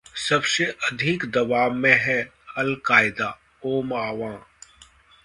सबसे अधिक दबाव में है अलकायदाः ओबामा